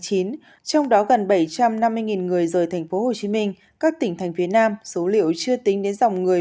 trong đó gần bảy trăm năm mươi người rời tp hcm các tỉnh thành phía nam số liệu chưa tính đến dòng người